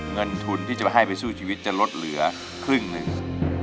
เงินทุนที่จะมาให้ไปสู้ชีวิตจะลดเหลือครึ่งหนึ่ง